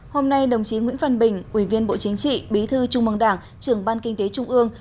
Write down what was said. hôm nay đồng chí nguyễn văn bình ủy viên bộ chính trị bí thư trung mong đảng trưởng ban kinh tế trung ương